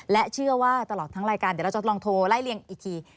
และเชื่อว่าตลอดทั้งรายการเดี๋ยวเราจะลองโทรไล่เรียงอีกที